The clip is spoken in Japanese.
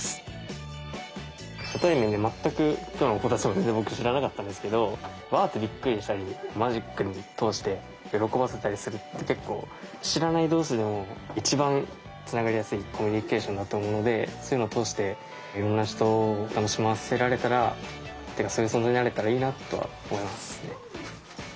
初対面で全く今日の子たちも全然僕知らなかったですけどわってびっくりしたりマジックを通して喜ばせたりするって結構知らない同士でも一番つながりやすいコミュニケーションだと思うのでそういうのを通していろんな人を楽しませられたらというかそういう存在になれたらいいなとは思いますね。